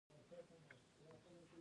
د لاره رڼا هم د دوی په زړونو کې ځلېده.